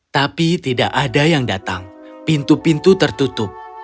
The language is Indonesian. tapi tidak ada yang datang pintu pintu tertutup